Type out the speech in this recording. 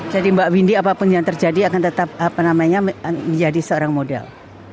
jadi mbak windy apapun yang terjadi akan tetap menjadi seorang model